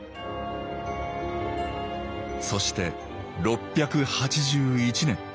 そして６８１年。